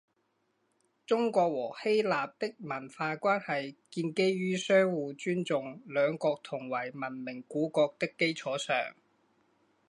中国和希腊的文化关系建基于相互尊重两国同为文明古国的基础上。